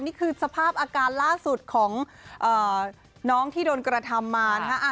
นี่คือสภาพอาการล่าสุดของน้องที่โดนกระทำมานะฮะ